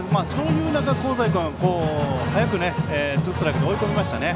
香西君、早くツーストライクで追い込みましたね。